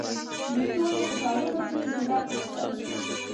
د سولي په کارونو کې یې جرأت وکړ.